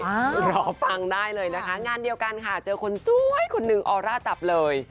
รอฟังได้เลยนะคะงานเดียวกันค่ะเจอคนสวยคนหนึ่งออร่าจับเลย